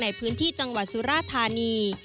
ในพื้นที่จังหวัดสุราธานี